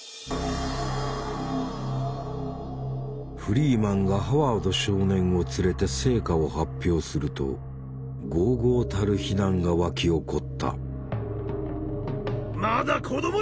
フリーマンがハワード少年を連れて成果を発表するとごうごうたる非難が沸き起こった。